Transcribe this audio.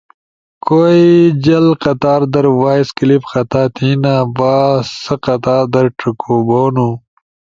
کوئی جل قطار در وائس کلپ خطا تھے نا باسہ قطار در چکو بہنُو۔